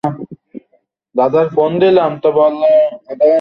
এখন, আমরা কি সেই খেলা খেলতে পারি?